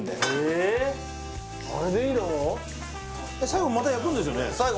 最後また焼くんですよね？